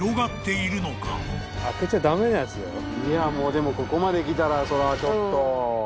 でもここまできたらそりゃちょっと。